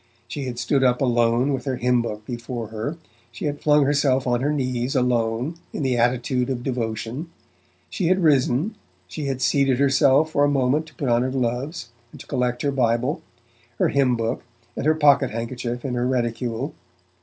She had stood up alone with her hymn book before her; she had flung herself on her knees alone, in the attitude of devotion; she had risen; she had seated herself for a moment to put on her gloves, and to collect her Bible, her hymn book and her pocket handkerchief in her reticule.